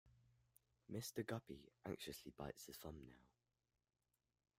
Mr. Guppy anxiously bites his thumb-nail.